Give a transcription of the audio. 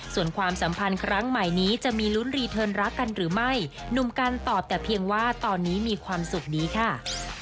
ส่วนความสัมพันธ์ครั้งใหม่นี้จะมีลุ้นรีเทิร์นรักกันหรือไม่หนุ่มกันตอบแต่เพียงว่าตอนนี้มีความสุขดีค่ะ